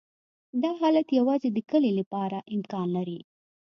دا حالت یوازې د کلې لپاره امکان لري